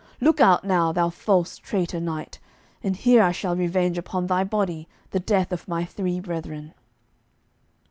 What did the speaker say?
Look out now, thou false traitor knight, and here I shall revenge upon thy body the death of my three brethren."